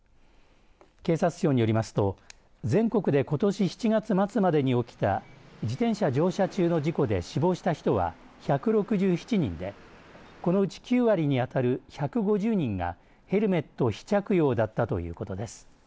警察庁によりますと全国でことし７月末までに起きた自転車乗車中の事故で死亡した人は１６７人でこのうち９割に当たる１５０人がヘルメット非着用だったということです。